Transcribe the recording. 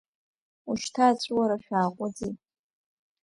Ушьҭа аҵәуара шәааҟәыҵи.